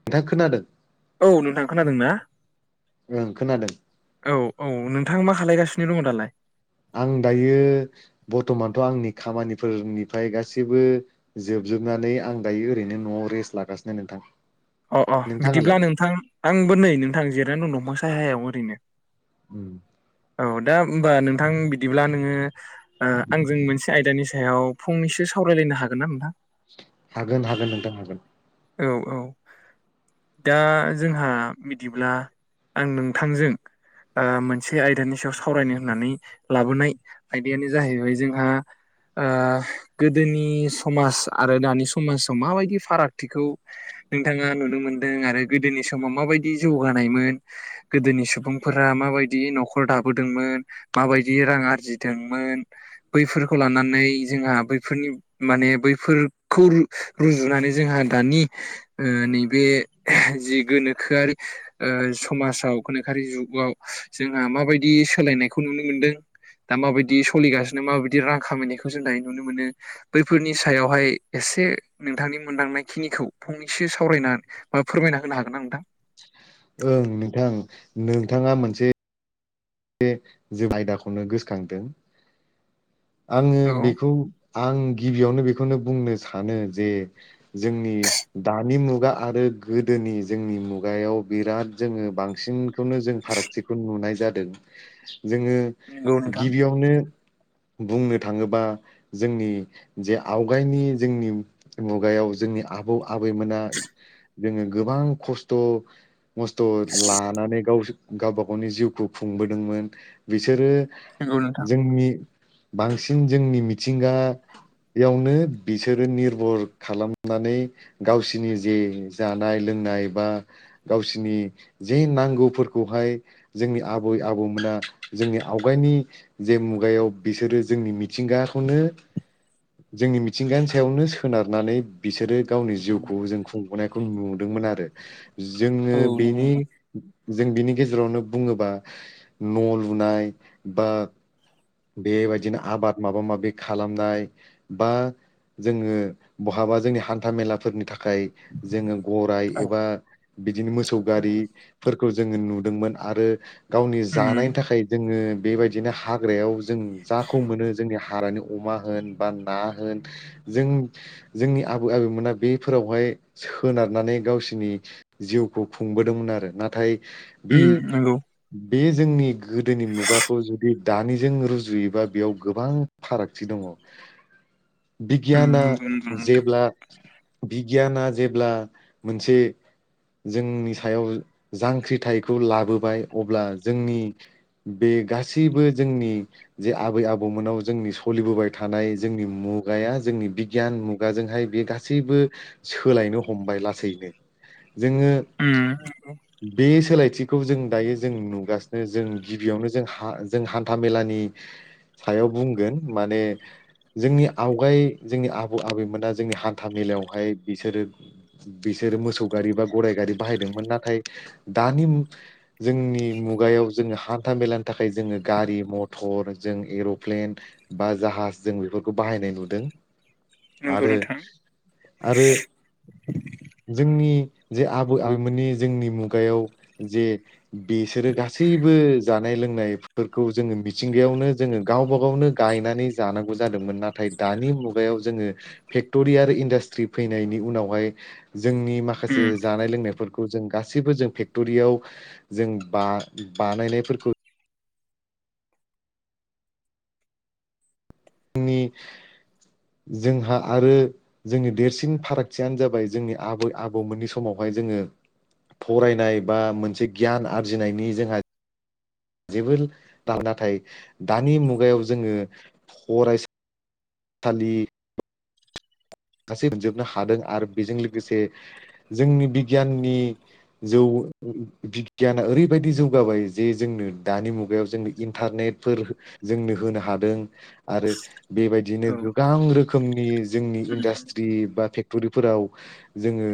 नोंथांङा खोनादों औ नोंथां खोनादों ना ओं खोनादों औ औ नोंथां मा खालगासिनो सिनो दङ दालाय आं दायो बरथमानथ' आंनि खामानिफोरनिफ्राय गासैबो जोबजोबनानै आं दायो ओरैनो न'आव रेस्ट लागासिनो नोंथां अ अ बिदिब्ला नोंथाङालाय नोंथां आंबो नै नोंथां जिरायनानै दंफां साहायाव [inaudible] उम औ दा ओमबा नोंथां बिदिब्ला नोङो आंजों मोनसे आयदानि सायाव फंनैसो सावरायलायनो हागोन ना नोंथां हागोन हागोन नोंथां हागोन औ औ दा जोंहा बिदिब्ला आं नोंथांजों मोनसे आयदानि सायाव सावरायनो होननानै लाबोनाय आयदायानो जाहैबाय जोंहा गोदोनि समाज आरो दानि समाजाव माबायदि फारागथिखौ नोंथाङा नुनो मोनदों आरो गोदोनि समाव माबायदि जौगानायमोन गोदोनि सुबुंफोरा माबायदि न'खर दाबोदोंमोन माबायदि रां आरजिदोंमोन बैफोरखौ लानानै जोंहा बैफोरनि माने बैफोरखौ रुजुनानै जोंहा दानि नैबे जि गोनोखोआरि समाजाव गोनोखोआरि जुगाव जोंहा माबायदि सोलायनायखौ नुनो मोनदों दा माबायदि सलिगासिनो माबायदि रां खामायनायखौ जों दायो नुनो मोनो बैफोरनि सायावहाय एसे नोंथांनि मोनदांनाय खिनिखौ फंनैसे सावरायनानै बा फोरमायना होनो हागोन नोंथां? ओं नोंथां नोंथाङा मोनसे जोब आयदाखौनो गोसोखांदों। आङो औ बेखौ आं गिबियावनो बेखौनो बुंनो सानो जे जोंनि दानि मुगा आरो गोदोनि जोंनि मुगायाव बिराद जोङो बांसिन बेखौनो जों फारागथिखौ नुनाय जादों। दों। जोङो नंगौ नोंथां गिबियावनो बुंनो थाङोबा जोंनि जे आवगायनि जोंनि मुगायाव जोंनि आबौ आबैमोना जोङो गोबां खस्थ' मस्थ' लानानै गावस गावबा गावनि जिउखौ खु खुंबोदोंमोन। बिसोरो नंगौ नोंथां जोंनि बांसिन जोंनि मिथिंगायावनो बिसोरो निर्भर खालामनानै गावसिनि जे जानाय लोंनाय बा गावसिनि जे नांगौफोरखौहाय जोंनि आब आबै आबौमोना जोंनि आवगायनि जे मुगायाव बिसोरो जोंनि मिथिंगाखौनो जोंनि मिथिंगानि सायावनो सोनारनानै बिसोरो गावनि उम, जिउखौ जों खुंबोनाय नुदोंमोन आरो। जोङो औ नंगौ बेनि नोंथां जों बिनि गेजेरावनो बुङोबा न' लुनाय बा उम, बेबायदिनो आबाद माबा माबि खालामनाय बा जोङो बहाबा जोंनि हान्था मेलाफोरनि थाख खाय जोङो गराय औ एबा बिदिनो मोसौ नंगौ गारिफोरखौ जोङो नु दोंमोन आरो गावनि उम जानायनि थाखाय जोङो बेबायदिनो हा ग्रायाव जों जाखौ मोनो जोंनि हाग्रानि अमा होन बा ना होन जों जोंनि आबै आबौमोना बेफोरावहाय सोनारनानै गावसोरनि जिउखौ खुंबोदोंमोन आरो। नाथाय बे उम नंगौ बे जोंनि गोदोनि मुगाखौ जुदि दानिजों रुजुयोबा बेयाव गोबां फारागथि दङ। उम बिगियाना नंगौ नंगौ नोंथां जेब्ला बिगियाना जेब्ला मोनसे जोंनि सायाव जांख्रिथायखौ लाबोबाय अब्ला जोंनि बे गासैबो जोंनि जे आबै आबौमोनाव जोंनि सोलिबोबाय थानाय जोंनि मुगाया जोंनि बिगियान मुगाजोंहाय बे गासैबो सोलायनो हमबाय लासैनो। जोङो उम नंगौ बे सोलाय खौ जों दायो जों नुगासिनो जों गिबियावनो जों हा हान्था मेलानि सायाव बुंगोन माने जोंनि आवगाय जोंनि आबौ आबैमोना जोंनि हान्था मेलायावहाय बिसोरो बिसोरो मोसौ गारि बा गराइ गारि बाहायदोंमोन नाथाय दानि जोंनि मुगायाव जोङो हान्था मेलानि थाखाय जोङो गारि मथर जों एर'प्लेन बा जाहाज जों बेफोरखौ बाहायनाय नुदों। नंगौ आरो नोंथां आरो जोंनि जे आबै आबौमोननि जोंनि मुगायाव जे बिसोरो गासैबो जानाय लोंनाय फोरखौ जोङो मिथिंगायावनो जोङो गावबा गावनो गायनानै जानांगौ जादोंमोन नाथाय दानि मुगायाव जोङो फेक्ट'रि आरो इन्डास्ट्रि फैनायनि उनावहाय जोंनि माखासे उम जानाय लोंनायफोर जों गासैबो जों फेक्ट'रियाव जों बा बानायनायफोरखौ जोंनि जोंहा आरो जोंनि देरसिन फारागथियानो जाबाय जोंनि आबै आबौमोननि समावहाय जोङो फरायनाय बा मोनसे गियान आरजिनायनि जोंहा जेबो दा नाथाय दानि मुगायाव जोङो फरायसा सालि गासै‌ मोनजोबनो हादों आरो बेजों लोगोसे जोंनि बिगियाननि जौ बिगियाना ओरैबायदि जौगाबाय जे जोंनो दानि मुगायाव जोंनो इन्टारनेटफोर जोंनो होनो हादों आरो बेबायदिनो औ गोबां रोखोम रोखोमनि जों उम, इन्डास्ट्री बा फेक क्टरिफोराव जोङो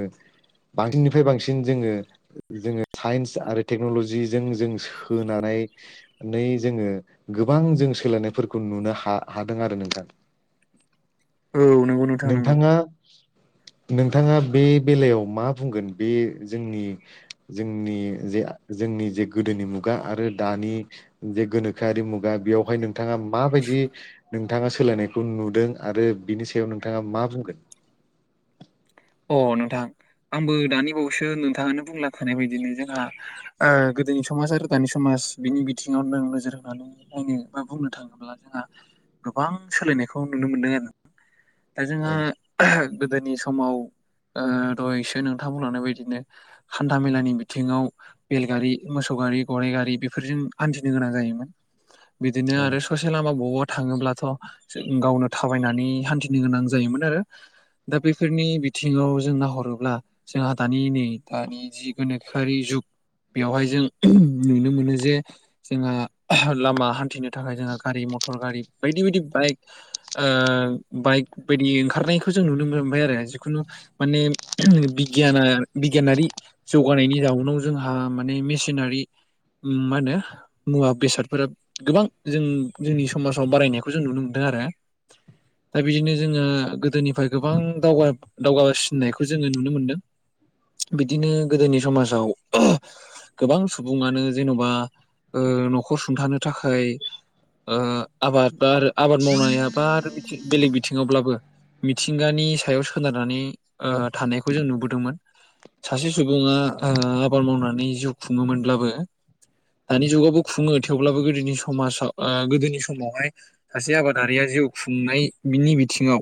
बांसिननिफ्राय बांसिन जोङो जोङो साइन्स आरो टेक्न'लजिजों जों सोनानै जोङो गोबां जों सोलायनायफोरखौ नुनो हा हादों आरो नोंथां औ नोंगौ नोंथां नोंगौ नोंथाङा नोंथाङा बे बेलायाव मा बुंगोन बे जोंनि जोंनि जे जोंनि जे गोदोनि मुगा आरो दानि जे गोनोखोआरि मुगा बेयावहाय नोंथाङा माबायदि नोंथाङा सोलायनायखौ नुदों आरो बिनि सायाव नों आ मा बुंगोन अ नोंथां आंबो दानि बावैसो नोंथाङानो बुंलांखानाय बादिनो जोंहा ओ गोदोनि समाज आरो दानि समाज बिनि बिथिङाव नों नोजोर होनानै नायनो बा बुंनो थाङोब्ला जोंहा गोबां सोलायनायखौ नुनो मोनदों आरो दा जोङो ओं गोदोनि समाव ओ दहायसो नोंथांमोनानो बेदिनो हान्था मेलानि बिथिङाव बेलगारि मोसौ गारि गराइगारि बेफोरजों हान्थिनो गोनां जायोमोन बिदिनो ओं आरो ससेे लामा बु थाङोब्लाथ' गावनो थाबायनानै हान्थिनो गोनां जायोमोन आरो दा बेफोरनि आथिङाव जों नाहरोब्ला जोंहा दानि नै दानि जि गोनोखोआरि जुग बेवहाय जों नुनो मोनो जे जोंहा लामा हान्थिनो नि थाखाय जोङो गारि मटर गारि बायदि बायदि बाइक ओ बाइक बायदि ओंखारनायखौ जों नुनो मोनबाय आरो जिखुनु माने बिगियाना बिगियानारि जौगानायनि जाउनाव जोंहा माने मेसिनारि ओम मा होनो मुवा बेसादफोरा गोबां जों जोंनि समाजाव बारायनायखौ जों नुनो मोनदों आरो दा बिदिनो जोङो गोदोनिफ्राय गोबां दावगा दावगाबोसिननायखौ जोङो नुनो मोनदों बिदिनो गोदोनि समाजाव गोबां सुबुङानो जेन'बा ओ न'खर सुंथानो थाखाय आबाद बा आबाद मावनो हाबा आरो बेलेग बिथिङावब्लाबो मिथिंगानि सायाव सोनारनानै थानायखौ जों नुबोदोंमोन सासे सुबुङा आबाद मावनानै जिउ खुङोमोनब्लाबो दानि जुगावबो खुङो थेवब्लाबो गोदोनि समाजाव गोदोनि समावहाय सासे आबादारिया जिउ खुंनायनि बिथिङाव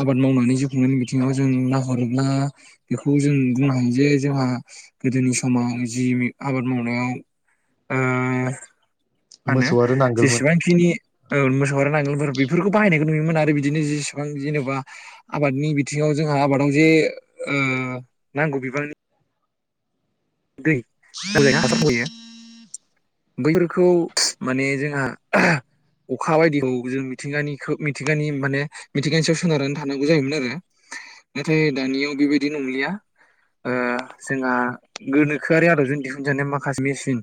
आबाद मावनानै जिउ नि बिथिङाव जों नाहरोब्ला बेखौ जों बुंनो हायो जे जोंहा गोदोनि समाव जि आबाद मावनायाव ओ मा होनो मोसौ आरो नांगोलमोन जेसेबांखिनि औ मोसौ आरो नांगोल बेफोरखौ बाहायनायखौ नुयोमोन आरो बिदिनो जेसेबां जेनेबा आबादनि बिथिङाव जोंहा आबादाव जे ओ नांगौ बिबांनि दै हासार होयो बैफोरखौ माने जोंहा अखा बायदिखौ जों मिथिंगानि मिथिंगानि माने मिथिंगानि सायाव सोनारनानै थानांगौ जायोमोन आरो नाथाय दानियाव बेबायदि नंलिया जोंहा गोनोखोआरि आदबजों दिहुनजानाय माखासे मेसिन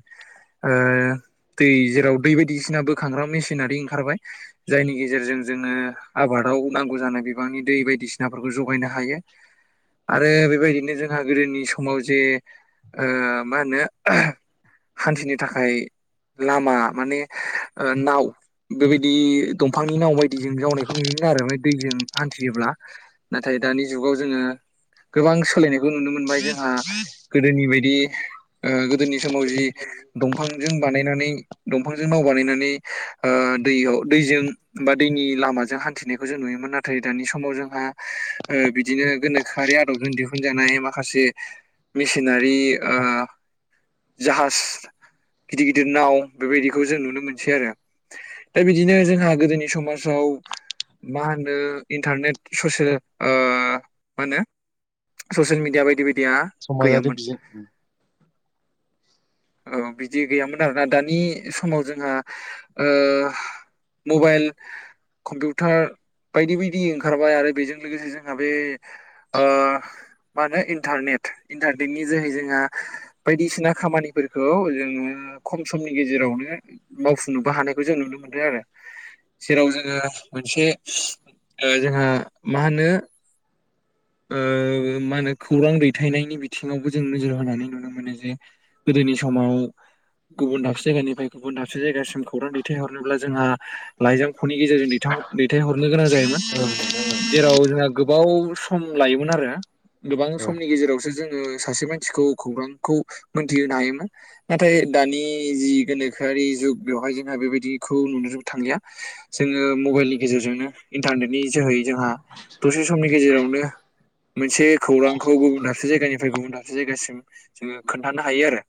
दै जेराव दै बायदिसिना बोखांग्रा मेसिनारि ओंखारबाय जायनि गेजेरजों जोङो आबादाव नांगौ जानाय बिबांनि दै बायदिसिनाफोरखौ जगायनो हायो आरो बेबायदिनो जोंहा गोदोनि समाव जे ओ मा होनो हान्थिनो थाखाय लामा माने नाव बेबायदि दंफांनि नाव बायदिजों जावनायखौ नुनो मोनो आरो दैजों हान्थियोब्ला नाथाय दानि जुगाव जोङो गोबां सोलायनायखौ नुनो मोनबाय जोंहा गोदोनि बायदि गोदोनि समाव जि दंफांजों बानायनानै दंफांजों नाव बानायनानै दैयाव दैजों बा दैनि लामाजों हान्थिनायखौ जों नुयोमोन नाथाय दानि समाव जोंहा बिदिनो गोनोखोआरि आदबजों दिहुनजानाय माखासे मेसिनारि ओ जाहाज गैयामोन समाजारि बिजिं औ बिदि गैयामोन आरोना दानि समाव जोंहा मबाइल कम्पिउटार बायदि बायदि ओंखारबाय आरो बेजों लोगोसे जोंहा बे मा होनो इन्टारनेट इन्टारनेटनि जोहै जोंहा बायदिसिना खामानिफोरखौ जोङो खम समनि गेजेरावनो मावफुंनोबो हानायखौ जों नुनो मोनदों आरो जेराव जोङो मोनसे जोंहा मा होनो ओ मा होनो खौरां दैथायनायनि बिथिङावबो जों नोजोर होनानै नुनो मोनो जे गोदोनि समाव गुबुन दाबसे जायगानिफ्राय गुबुन दाबसे जायगासिम खौरां दैथायहरनोब्ला जोंहा लाइजामख'नि गेजेरजों दैथाव दैथायहरनो गोनां जायोमोन जेराव जोंहा गोबाव स सम लायोमोन आरो गोबां ओं समनि गेजेरावसो जोङो सासे मानसिखौ खौरांखौ मोनथिहोनो हायोमोन नाथाय दानि जि गोनोखोआरि जुग बेवहाय जोंहा बेबायदिखौ नुनो थांलिया जोङो मबाइलनि गेजेरजोंनो इन्टारनेटनि जोहै जोंहा दसे समनि गेजेरावनो मोनसे खौरांखौ गुबुन दाबसे जायगानिफ्राय गुबुन दाबसे जायगासिम जोङो खोन्थानो हायो आरो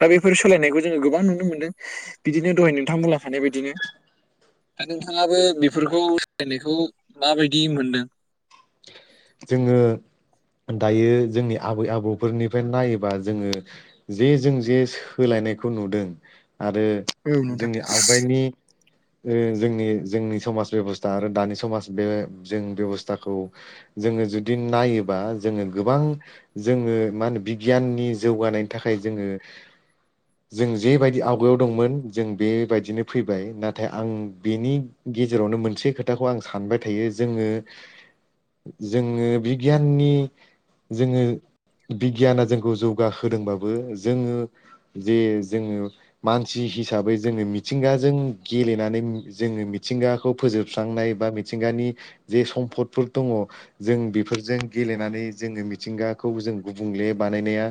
दा बेफोर सोलायनायखौ जोङो गोबां नुनो मोनदों बिदिनो दहाय नोंथां बुंलांखानाय बायदिनो दा नोंथाङाबो बेफोरखौ सोलायनायखौ माबायदि मोनदों? जोङो दायो जोंनि आबै आबौफोरनिफ्राय नायोबा जोङो जे जों जे सोलायनायखौ नुदों आरो औ नोंथां जोंनि आवगायनि ओ जोंनि जोंनि समाज बेब'स्था आरो दानि समाज बे जों बेब'स्थाखौ जोङो जुदि नायोबा जोङो गोबां जोङो मा होनो बिगियाननि जौगानायनि थाखाय जोङो जों जेबायदि आवगायाव दंमोन जों बेबायदिनो फैबाय नाथाय आं बेनि गेजेरावनो मोनसे खोथाखौ आं सानबाय थायो जोङो जोङो बिगियाननि जोङो बिगियाना जोंखौ जौगाहोदोंबाबो जोङो जे जोङो मानसि हिसाबै जोङो मिथिंगाजों गेलेनानै उम जोङो मिथिंगाखौ फोजोबस्रांनाय बा मिथिंगानि जे सम्फदफोर दङ जों बेफोरजों गेलेनानै जोङो मिथिंगाखौ जों गुबुंले बानायनाया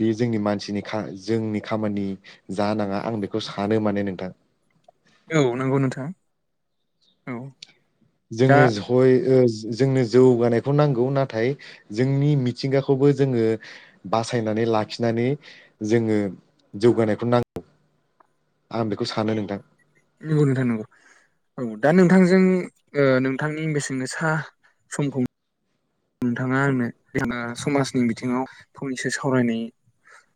बे जोंनि मानसिनि खा जोंनि खामानि जानाङा आं बेखौ सानो माने नोंथां। औ नंगौ नोंथां औ दा जोङोस हय ओ जो जोंनोस जौगानायखौ नांगौ नाथाय जोंनि मिथिंगाखौबो जोङो बासायनानै लाखिनानै जोङो जौगानायखौ नांगौ आं बेखौ सानो नोंथां। नंगौ नोंथां नंगौ औ दा नोंथांजों ओ नोंथांनि बेेसेन गोसा समखौ नोंथाङा आंनो बे सानना समाजनि बिथिङाव फंनैसो सावरायनाय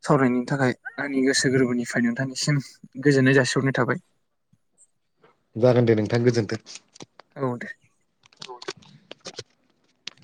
सावरायनायनि थाखाय आंनि गोसो गोरबोनिफ्राय नोंथांनिसिम गोजोननाय जासिहरनाय थाबाय। जागोन दे नोंथां गोजोनथों। औ दे